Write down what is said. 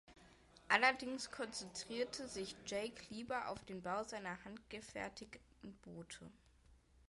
Allerdings konzentrierte sich Jake lieber auf den Bau seiner handgefertigten Boote.